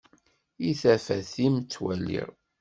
I tafat-im ttwaliɣ.